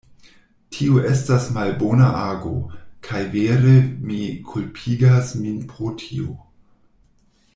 Tio estas malbona ago; kaj vere mi kulpigas min pro tio.